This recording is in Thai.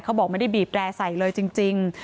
เขาบอกไม่ได้บีบแรร์ใสเลยจริง